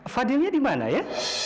fadilnya di mana ya